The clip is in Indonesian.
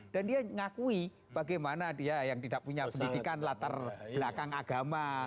dan dia ngakui bagaimana dia yang tidak punya pendidikan latar belakang agama